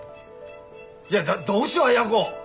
いやだってどうしよう亜哉子！